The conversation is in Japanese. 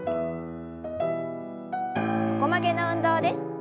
横曲げの運動です。